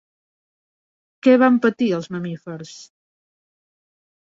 Què van patir els mamífers?